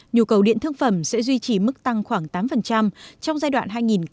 nhu cầu điện thương phẩm sẽ duy trì mức tăng khoảng tám trong giai đoạn hai nghìn hai mươi một hai nghìn ba mươi